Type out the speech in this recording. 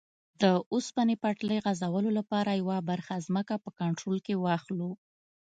د اوسپنې پټلۍ غځولو لپاره یوه برخه ځمکه په کنټرول کې واخلو.